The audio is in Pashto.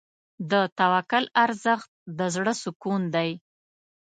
د توکل ارزښت د زړه سکون دی.